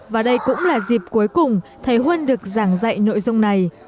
và đây cũng là dịp cuối cùng thầy huân được giảng dạy nội dung này